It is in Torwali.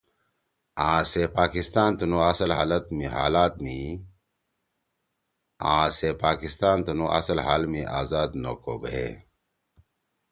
آں سے پاکستان تنُو اصل حال می آزاد نو کو بھے